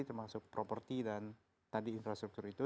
termasuk properti dan tadi infrastruktur itu